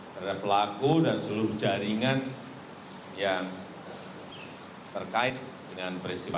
terhadap pelaku dan seluruh jaringan yang terkait dengan peristiwa